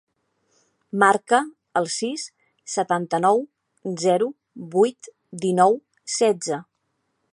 Marca el sis, setanta-nou, zero, vuit, dinou, setze.